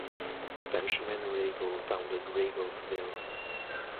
Benjamin Riegel founded Riegelsville.